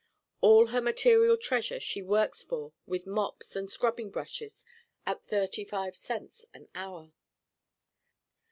All her material treasure she works for with mops and scrubbing brushes at thirty five cents an hour.